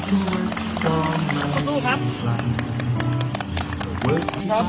ดีจริงดีจริง